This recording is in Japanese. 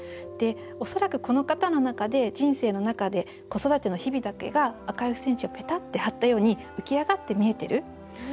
恐らくこの方の中で人生の中で子育ての日々だけがあかい付箋紙をペタッて貼ったように浮き上がって見えてる。